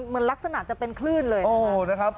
เหมือนลักษณะจะเป็นคลื่นเลยนะครับ